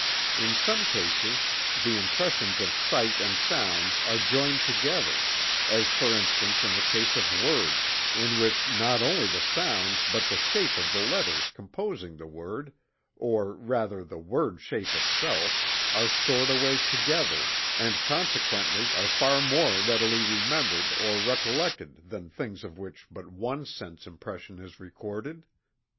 In some cases the impressions of sight and sound are joined together, as for instance in the case of words, in which not only the sound but the shape of the letters composing the word, or rather the word shape itself, are stored away together, and consequently are far more readily remembered or recollected than things of which but one sense impression is recorded.